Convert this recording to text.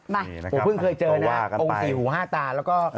มาผมเพิ่งเคยเจอนะองค์สี่หูห้าตาแล้วก็